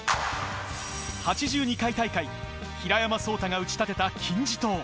８２回大会、平山相太が打ち立てた金字塔。